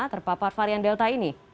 terpapar varian delta ini